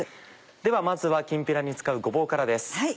ではまずはきんぴらに使うごぼうからです。